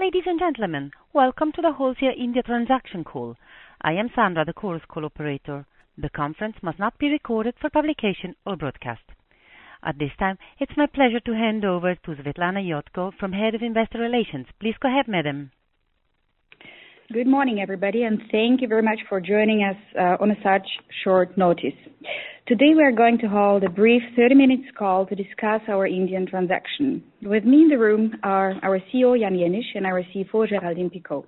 Ladies and gentlemen, welcome to the Holcim India Transaction Call. I am Sandra, the Chorus Call operator. The conference must not be recorded for publication or broadcast. At this time, it's my pleasure to hand over to Swetlana Iodko, Head of Investor Relations. Please go ahead, madam. Good morning, everybody, and thank you very much for joining us on such short notice. Today we are going to hold a brief 30-minute call to discuss our Indian transaction. With me in the room are our CEO, Jan Jenisch, and our CFO, Géraldine Picaud.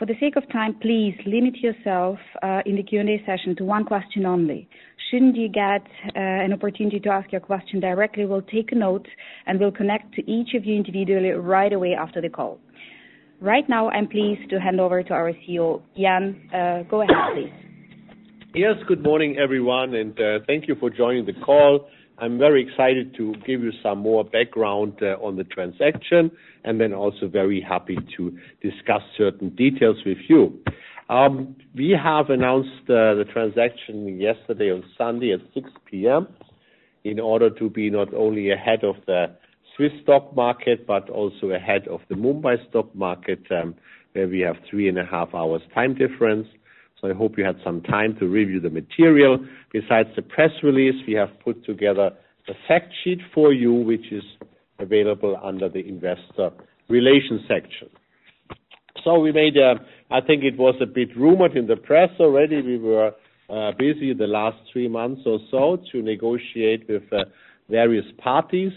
For the sake of time, please limit yourself in the Q&A session to one question only. Shouldn't you get an opportunity to ask your question directly, we'll take a note, and we'll connect to each of you individually right away after the call. Right now I'm pleased to hand over to our CEO, Jan. Go ahead, please. Yes, good morning, everyone, and, thank you for joining the call. I'm very excited to give you some more background, on the transaction, and then also very happy to discuss certain details with you. We have announced, the transaction yesterday on Sunday at 6:00 P.M., in order to be not only ahead of the Swiss stock market, but also ahead of the Mumbai stock market, where we have three and a half hours time difference. I hope you had some time to review the material. Besides the press release, we have put together a fact sheet for you, which is available under the Investor Relations section. I think it was a bit rumored in the press already. We were busy the last three months or so to negotiate with various parties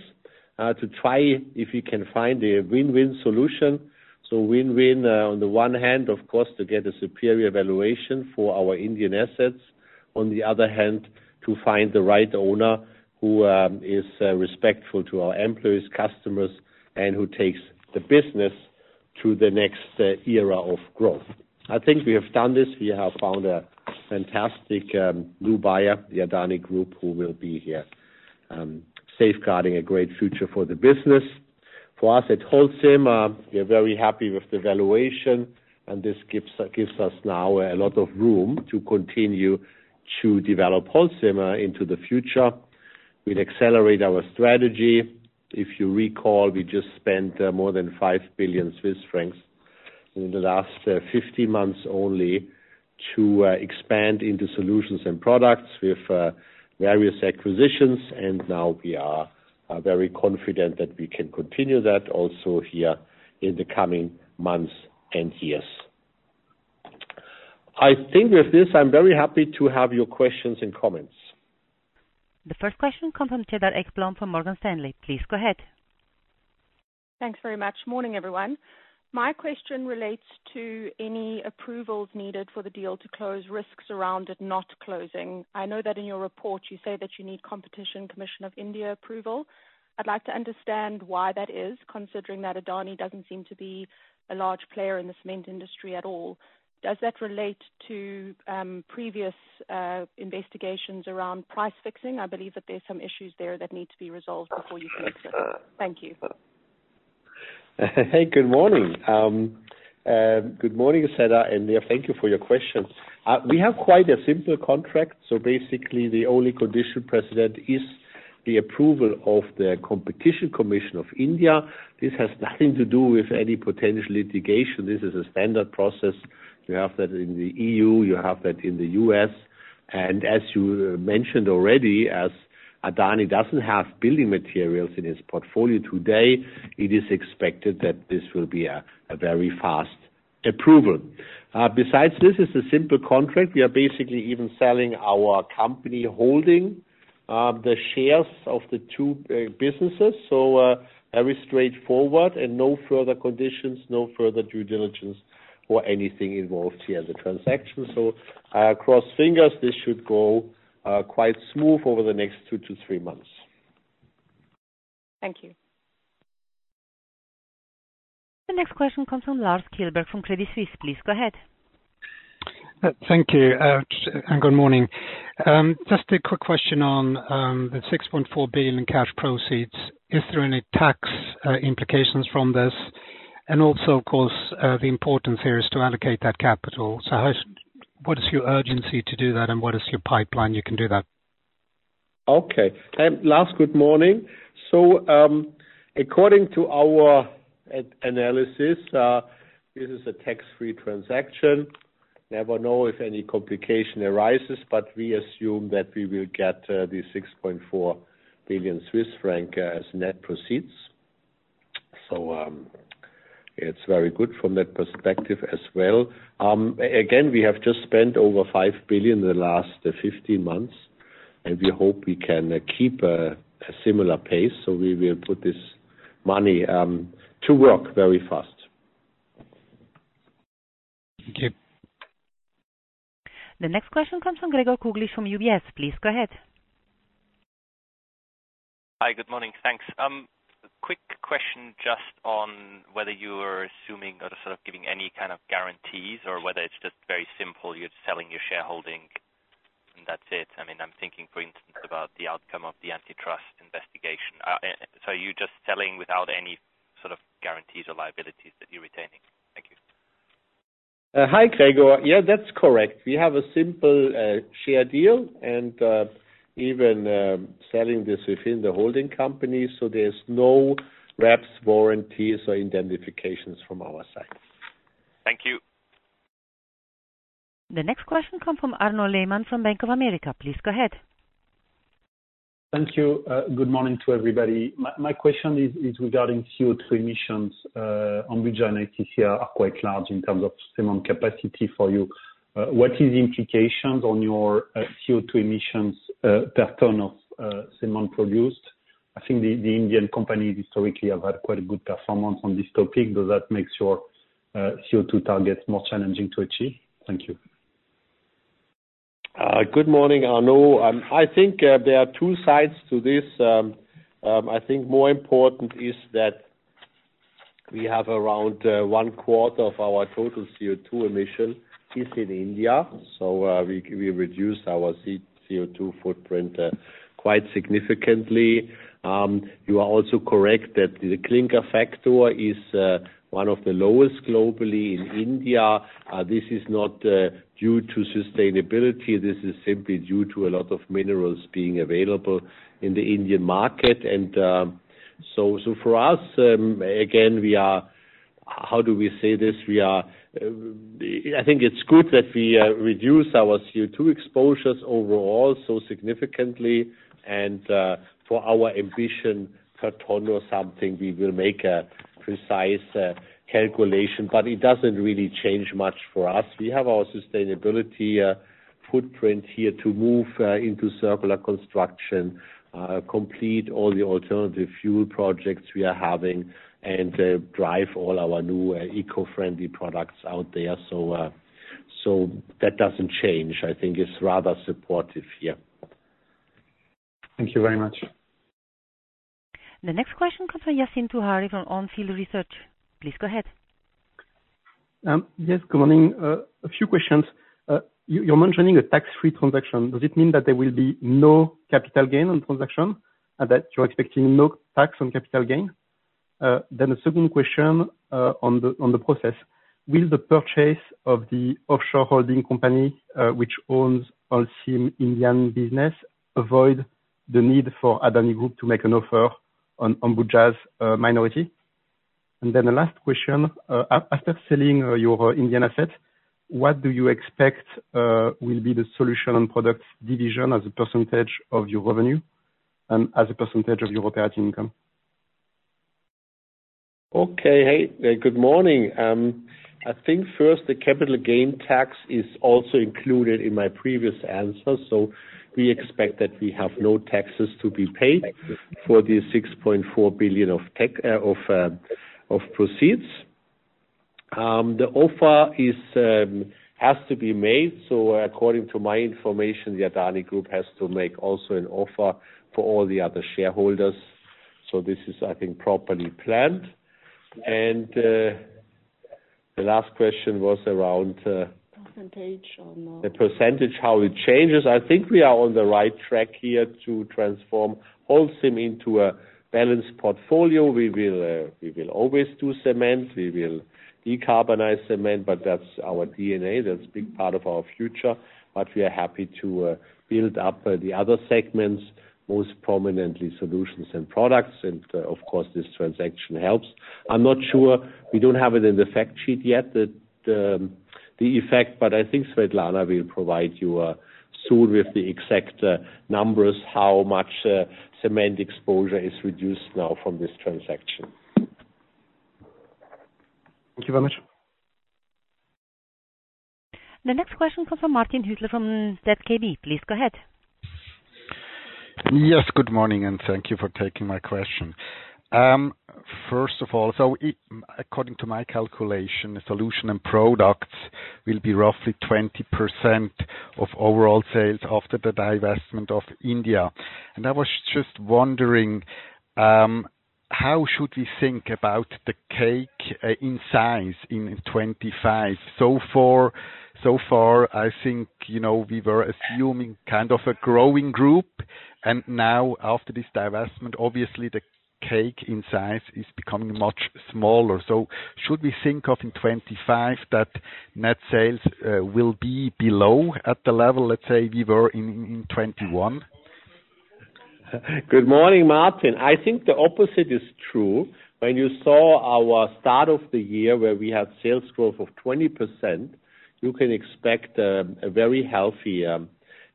to try if we can find a win-win solution. Win-win, on the one hand, of course, to get a superior valuation for our Indian assets. On the other hand, to find the right owner who is respectful to our employees, customers, and who takes the business to the next era of growth. I think we have done this. We have found a fantastic new buyer, the Adani Group, who will be safeguarding a great future for the business. For us at Holcim, we are very happy with the valuation and this gives us now a lot of room to continue to develop Holcim into the future. We'll accelerate our strategy. If you recall, we just spent more than 5 billion Swiss francs in the last 15 months only to expand into solutions and products with various acquisitions. Now we are very confident that we can continue that also here in the coming months and years. I think with this, I'm very happy to have your questions and comments. The first question comes from Cedar Ekblom from Morgan Stanley. Please go ahead. Thanks very much. Morning, everyone. My question relates to any approvals needed for the deal to close, risks around it not closing. I know that in your report you say that you need Competition Commission of India approval. I'd like to understand why that is, considering that Adani doesn't seem to be a large player in the cement industry at all. Does that relate to previous investigations around price fixing? I believe that there's some issues there that need to be resolved before you can exit. Thank you. Hey, good morning. Good morning, Cedar, and, yeah, thank you for your question. We have quite a simple contract, so basically the only condition precedent is the approval of the Competition Commission of India. This has nothing to do with any potential litigation. This is a standard process. You have that in the EU, you have that in the US. As you mentioned already, as Adani doesn't have building materials in its portfolio today, it is expected that this will be a very fast approval. Besides, this is a simple contract. We are basically even selling our company holding the shares of the two businesses. Very straightforward and no further conditions, no further due diligence or anything involved here in the transaction. I cross fingers this should go quite smooth over the next 2-3 months. Thank you. The next question comes from Lars Kjellberg from Credit Suisse. Please go ahead. Thank you, and good morning. Just a quick question on the 6.4 billion in cash proceeds. Is there any tax implications from this? Also, of course, the importance here is to allocate that capital. What is your urgency to do that, and what is your pipeline you can do that? Okay. Lars, good morning. According to our analysis, this is a tax-free transaction. You never know if any complication arises, but we assume that we will get 6.4 billion Swiss franc as net proceeds. It's very good from that perspective as well. Again, we have just spent over 5 billion in the last 15 months, and we hope we can keep a similar pace, so we will put this money to work very fast. Thank you. The next question comes from Gregor Kuglitsch from UBS. Please go ahead. Hi, good morning. Thanks. Quick question just on whether you're assuming or sort of giving any kind of guarantees or whether it's just very simple, you're selling your shareholding and that's it. I mean, I'm thinking for instance about the outcome of the antitrust investigation. Are you just selling without any sort of guarantees or liabilities that you're retaining? Hi, Gregor. Yeah, that's correct. We have a simple share deal and even selling this within the holding company, so there's no reps, warranties or indemnifications from our side. Thank you. The next question come from Arnaud Lehmann from Bank of America. Please go ahead. Thank you. Good morning to everybody. My question is regarding CO2 emissions on Ambuja and ACC are quite large in terms of cement capacity for you. What is the implications on your CO2 emissions per ton of cement produced? I think the Indian companies historically have had quite a good performance on this topic, does that make your CO2 targets more challenging to achieve? Thank you. Good morning, Arnaud. I think there are two sides to this. I think more important is that we have around one quarter of our total CO2 emission is in India. We reduce our CO2 footprint quite significantly. You are also correct that the clinker factor is one of the lowest globally in India. This is not due to sustainability, this is simply due to a lot of minerals being available in the Indian market. For us, again, I think it's good that we reduce our CO2 exposures overall so significantly and, for our ambition per ton or something, we will make a precise calculation, but it doesn't really change much for us. We have our sustainability footprint here to move into circular construction, complete all the alternative fuel projects we are having, and drive all our new eco-friendly products out there. That doesn't change. I think it's rather supportive, yeah. Thank you very much. The next question comes from Yassine Touahri from On Field Investment Research. Please go ahead. Yes, good morning. A few questions. You're mentioning a tax-free transaction. Does it mean that there will be no capital gain on transaction, and that you're expecting no tax on capital gain? The second question, on the process. Will the purchase of the offshore holding company, which owns Holcim Indian business, avoid the need for Adani Group to make an offer on Ambuja's minority? The last question. After selling your Indian asset, what do you expect will be the solution and products division as a percentage of your revenue, and as a percentage of your operating income? Okay. Hey, good morning. I think first, the capital gains tax is also included in my previous answer. We expect that we have no taxes to be paid for the 6.4 billion of the proceeds. The offer has to be made. According to my information, the Adani Group has to make also an offer for all the other shareholders. This is, I think, properly planned. The last question was around. Percentage on. The percentage, how it changes. I think we are on the right track here to transform Holcim into a balanced portfolio. We will always do cements. We will decarbonize cement, that's our DNA, that's big part of our future. We are happy to build up the other segments, most prominently solutions and products, and of course, this transaction helps. I'm not sure, we don't have it in the fact sheet yet, the effect, but I think Swetlana will provide you soon with the exact numbers, how much cement exposure is reduced now from this transaction. Thank you very much. The next question comes from Martin Hüsler from ZKB. Please go ahead. Yes, good morning, and thank you for taking my question. First of all, according to my calculation, the solutions and products will be roughly 20% of overall sales after the divestment in India. I was just wondering how should we think about the cake in size in 2025? So far, I think, you know, we were assuming kind of a growing group. Now after this divestment, obviously the cake in size is becoming much smaller. Should we think in 2025 that net sales will be below the level, let's say we were in 2021? Good morning, Martin. I think the opposite is true. When you saw our start of the year where we had sales growth of 20%, you can expect a very healthy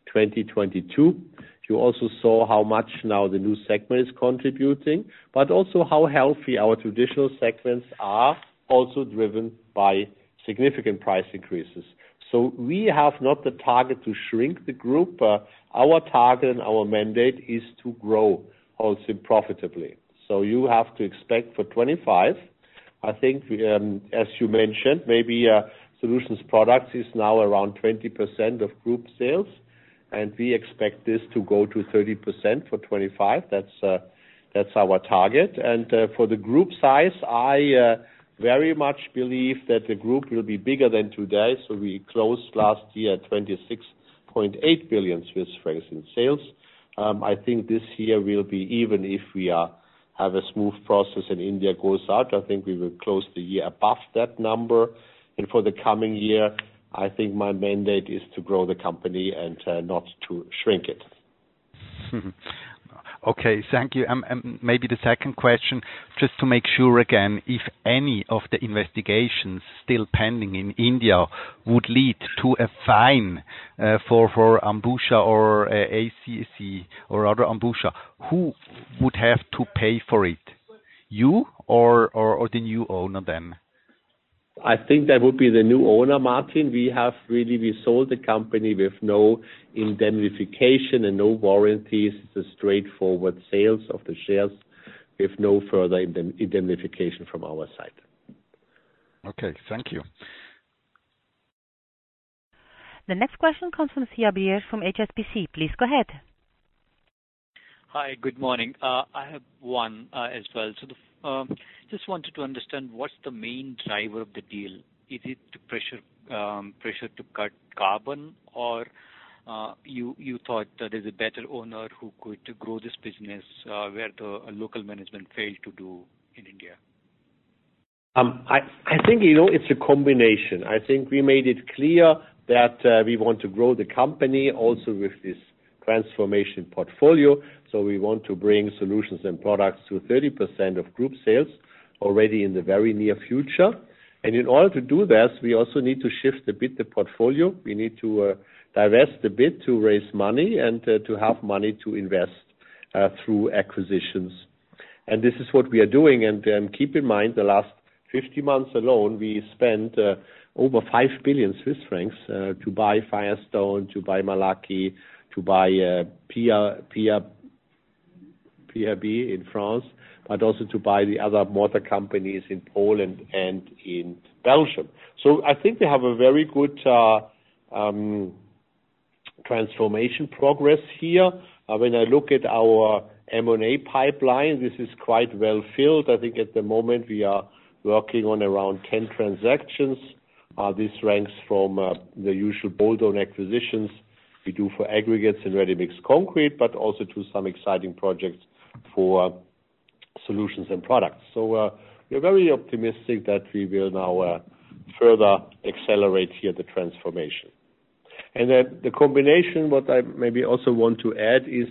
2022. You also saw how much now the new segment is contributing, but also how healthy our traditional segments are, also driven by significant price increases. We have not the target to shrink the group. Our target and our mandate is to grow Holcim profitably. You have to expect for 2025, I think, as you mentioned, maybe, solutions products is now around 20% of group sales, and we expect this to go to 30% for 2025. That's our target. For the group size, I very much believe that the group will be bigger than today. We closed last year at 26.8 billion Swiss francs in sales. I think this year will be even if we have a smooth process and India goes out, I think we will close the year above that number. For the coming year, I think my mandate is to grow the company and not to shrink it. Okay. Thank you. Maybe the second question, just to make sure again, if any of the investigations still pending in India would lead to a fine for Ambuja or ACC or other Ambuja, who would have to pay for it, you or the new owner then? I think that would be the new owner, Martin. We sold the company with no indemnification and no warranties. It's a straightforward sales of the shares with no further indemnification from our side. Okay. Thank you. The next question comes from Brijesh Siya from HSBC. Please go ahead. Hi. Good morning. I have one as well. Just wanted to understand what's the main driver of the deal. Is it the pressure to cut carbon or you thought that there's a better owner who could grow this business where the local management failed to do in India? I think, you know, it's a combination. I think we made it clear that we want to grow the company also with this transformation portfolio. We want to bring solutions and products to 30% of group sales already in the very near future. In order to do that, we also need to shift a bit the portfolio. We need to divest a bit to raise money and to have money to invest through acquisitions. This is what we are doing. Keep in mind, the last 50 months alone, we spent over 5 billion Swiss francs to buy Firestone Building Products, to buy Malarkey Roofing Products, to buy PRB Group in France, but also to buy the other mortar companies in Poland and in Belgium. I think we have a very good transformation progress here. When I look at our M&A pipeline, this is quite well filled. I think at the moment we are working on around 10 transactions. This ranks from the usual bolt-on acquisitions we do for aggregates and ready-mix concrete, but also to some exciting projects for solutions and products. We're very optimistic that we will now further accelerate here the transformation. The combination what I maybe also want to add is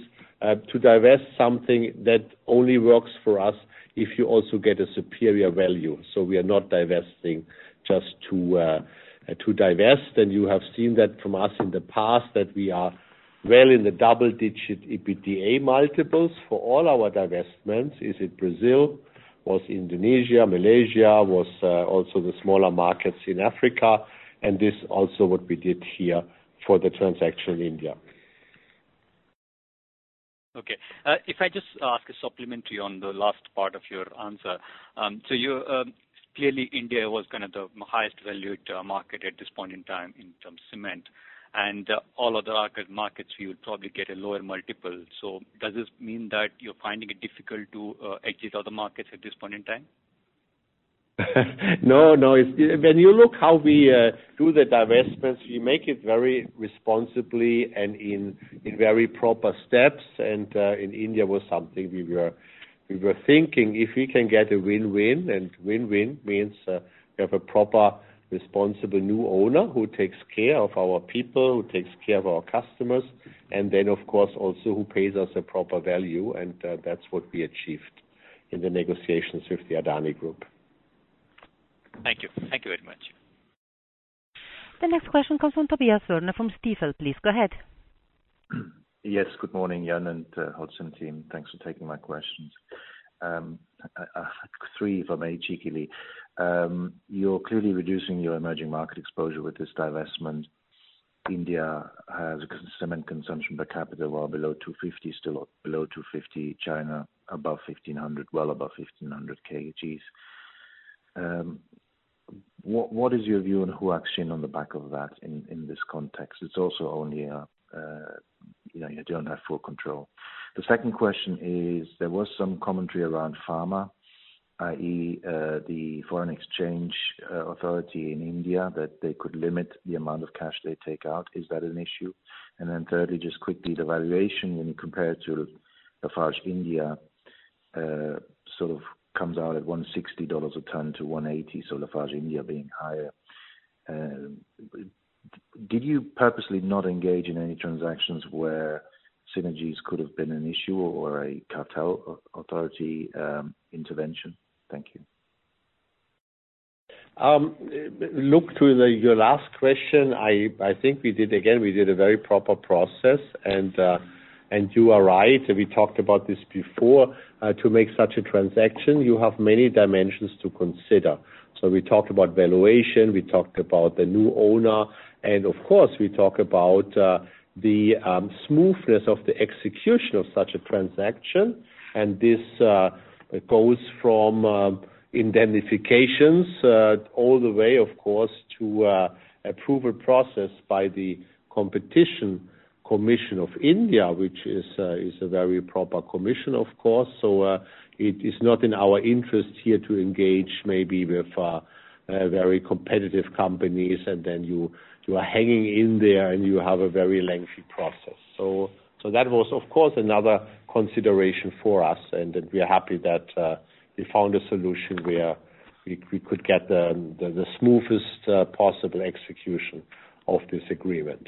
to divest something that only works for us if you also get a superior value. We are not divesting just to divest. You have seen that from us in the past that we are well in the double digit EBITDA multiples for all our divestments in Brazil, in Indonesia, Malaysia, also the smaller markets in Africa. This is also what we did here for the transaction in India. Okay. If I just ask a supplementary on the last part of your answer. Clearly India was kind of the highest valued market at this point in time in terms of cement. All other emerging markets, you would probably get a lower multiple. Does this mean that you're finding it difficult to exit other markets at this point in time? No, no. It's when you look how we do the divestments, we make it very responsibly and in very proper steps. In India was something we were thinking, if we can get a win-win, and win-win means we have a proper, responsible new owner who takes care of our people, who takes care of our customers, and then, of course, also who pays us a proper value. That's what we achieved in the negotiations with the Adani Group. Thank you. Thank you very much. The next question comes from Tobias Woerner from Stifel. Please go ahead. Yes. Good morning, Jan and the Holcim team. Thanks for taking my questions. I have three if I may, cheekily. You're clearly reducing your emerging market exposure with this divestment. India has cement consumption per capita well below 250, still below 250. China, above 1,500, well above 1,500 kgs. What is your view on Huaxin on the back of that in this context? It's also only a you know. You don't have full control. The second question is, there was some commentary around FEMA, i.e., the foreign exchange authority in India, that they could limit the amount of cash they take out. Is that an issue? Then thirdly, just quickly, the valuation when you compare it to Lafarge India, sort of comes out at $160-$180 a ton, so Lafarge India being higher. Did you purposely not engage in any transactions where synergies could have been an issue or a cartel authority intervention? Thank you. Look, to your last question, I think we did a very proper process. You are right, we talked about this before. To make such a transaction, you have many dimensions to consider. We talked about valuation, we talked about the new owner, and of course, we talk about the smoothness of the execution of such a transaction. This goes from indemnifications all the way, of course, to a approval process by the Competition Commission of India, which is a very proper commission, of course. It is not in our interest here to engage maybe with very competitive companies, and then you are hanging in there, and you have a very lengthy process. That was, of course, another consideration for us. That we are happy that we found a solution where we could get the smoothest possible execution of this agreement.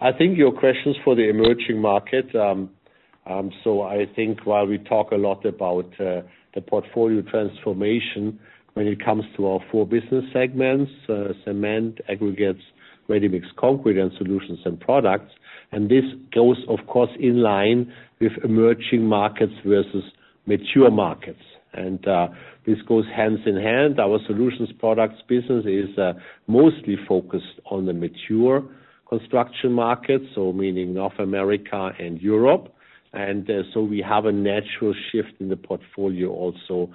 I think your question is for the emerging market. I think while we talk a lot about the portfolio transformation when it comes to our four business segments, cement, aggregates, ready-mix concrete, and solutions and products, and this goes, of course, in line with emerging markets versus mature markets. This goes hand in hand. Our solutions products business is mostly focused on the mature construction markets, so meaning North America and Europe. We have a natural shift in the portfolio also,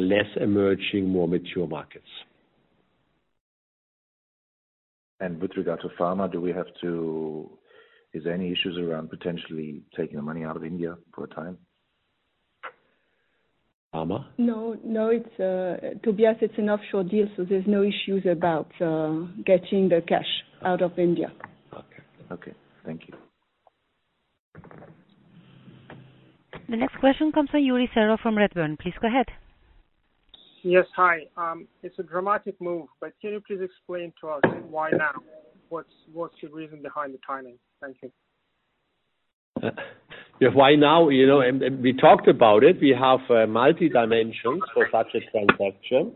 less emerging, more mature markets. With regard to FEMA, is there any issues around potentially taking the money out of India for a time? Pharma? No, no, it's Tobias, it's an offshore deal, so there's no issues about getting the cash out of India. Okay. Okay, thank you. The next question comes from Yuri Serov from Redburn. Please go ahead. Yes. Hi. It's a dramatic move, but can you please explain to us why now? What's your reason behind the timing? Thank you. Yeah, why now? You know, and we talked about it. We have multiple dimensions for such a transaction.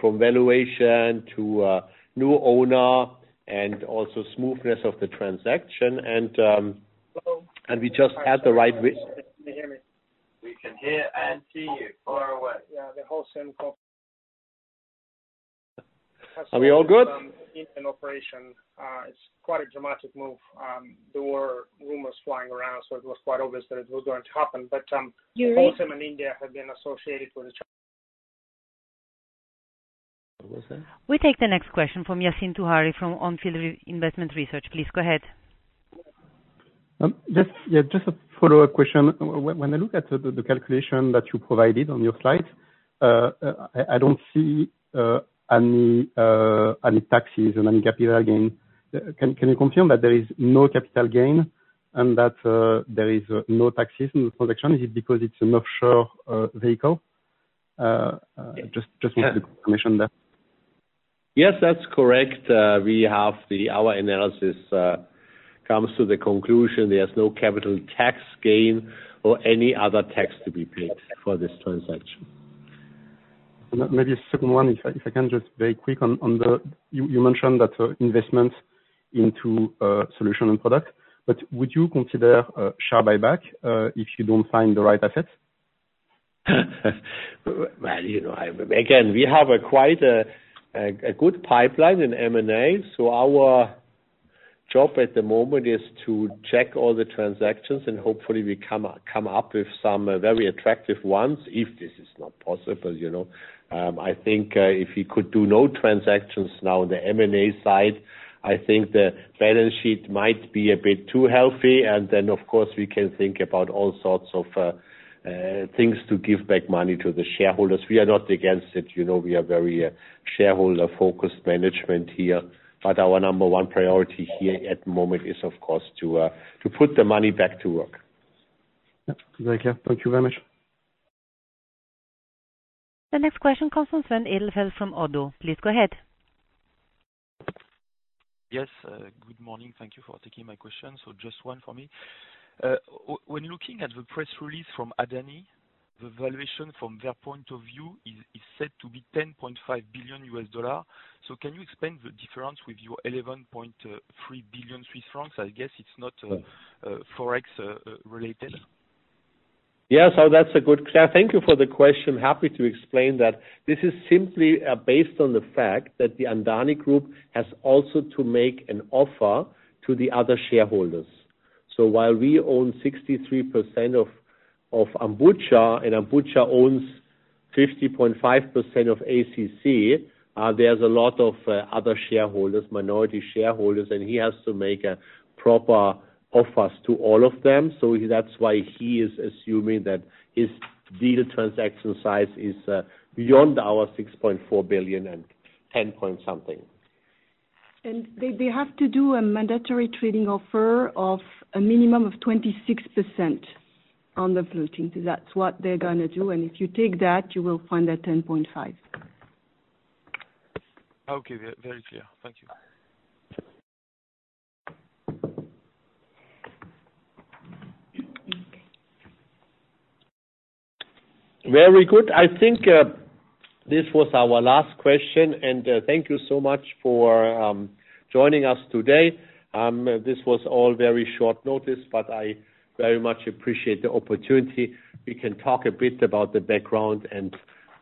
From valuation to new owner and also smoothness of the transaction. Hello? We just had the right. Can you hear me? We can hear and see you. Fire away. Yeah, the whole same call. Are we all good? Indian operation. It's quite a dramatic move. There were rumors flying around, so it was quite obvious that it was going to happen. Yuri. Holcim in India have been associated with the. What was that? We take the next question from Yassine Touahri, from On Field Investment Research. Please go ahead. Just a follow-up question. When I look at the calculation that you provided on your slide, I don't see any taxes and any capital gain. Can you confirm that there is no capital gain and that there is no taxes in the transaction? Is it because it's an offshore vehicle? Yes. Just need the confirmation there. Yes, that's correct. Our analysis comes to the conclusion there's no capital gains tax or any other tax to be paid for this transaction. Maybe a second one, if I can. You mentioned that, investments into solutions and products, but would you consider a share buyback, if you don't find the right assets? Well, you know, again, we have quite a good pipeline in M&A, so our job at the moment is to check all the transactions, and hopefully we come up with some very attractive ones, if this is not possible, you know. I think if we could do no transactions now on the M&A side, I think the balance sheet might be a bit too healthy. Of course, we can think about all sorts of things to give back money to the shareholders. We are not against it. You know, we are very shareholder-focused management here. Our number one priority here at the moment is, of course, to put the money back to work. Yeah. Very clear. Thank you very much. The next question comes from Steffen Orlowski from ODDO. Please go ahead. Yes, good morning. Thank you for taking my question. Just one for me. When looking at the press release from Adani, the valuation from their point of view is said to be $10.5 billion. Can you explain the difference with your CHF 11.3 billion? I guess it's not Forex related. Thank you for the question. Happy to explain that. This is simply based on the fact that the Adani Group has also to make an offer to the other shareholders. While we own 63% of Ambuja and Ambuja owns 50.5% of ACC, there's a lot of other shareholders, minority shareholders, and he has to make proper offers to all of them. That's why he is assuming that his deal transaction size is beyond our $6.4 billion and $10-point something. They have to do a mandatory open offer of a minimum of 26% on the floating. That's what they're gonna do. If you take that, you will find that $10.5 billion. Okay. Very clear. Thank you. Very good. I think this was our last question, and thank you so much for joining us today. This was all very short notice, but I very much appreciate the opportunity. We can talk a bit about the background and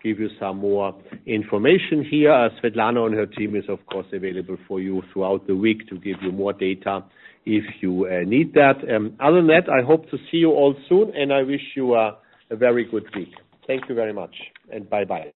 give you some more information here. Swetlana and her team is, of course, available for you throughout the week to give you more data if you need that. Other than that, I hope to see you all soon, and I wish you a very good week. Thank you very much, and bye-bye.